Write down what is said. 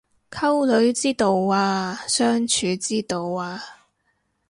溝女之道啊相處之道啊